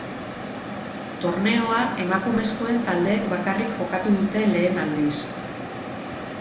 Torneoa emakumezkoen taldeek bakarrik jokatu dute lehen aldiz.